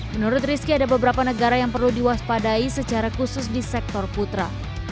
menurut rizky ada beberapa negara yang perlu diwaspadai secara khusus di sektor putra